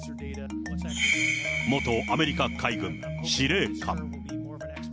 元アメリカ海軍司令官。